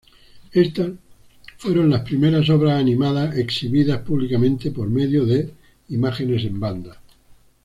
Estas fueron las primeras obras animadas exhibidas públicamente por medio de imágenes en bandas.